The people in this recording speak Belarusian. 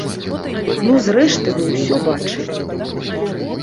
Ну зрэшты вы ўсё бачылі.